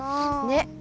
ねっ。